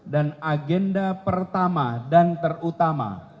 dan agenda pertama dan terutama